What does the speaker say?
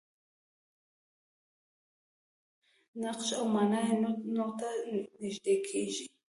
نقش او معنا یې نو ته نژدې کېږي.